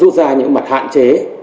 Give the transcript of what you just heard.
để rút ra những mặt hạn chế